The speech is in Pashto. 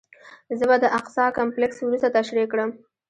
زه به د اقصی کمپلکس وروسته تشریح کړم.